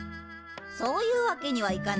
そういうわけにはいかないわ。